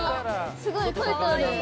すごい書いてある。